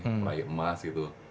peraih emas gitu